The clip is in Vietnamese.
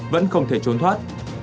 vẫn không thể trốn thoát